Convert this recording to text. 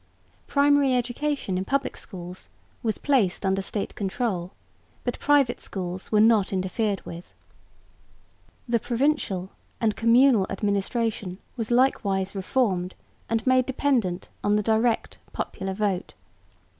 Primary education in public schools was placed under State control, but private schools were not interfered with. The provincial and communal administration was likewise reformed and made dependent on the direct popular vote.